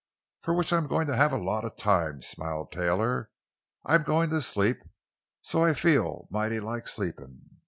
"For which I'm going to have a lot of time," smiled Taylor. "I'm going to sleep, for I feel mighty like sleeping.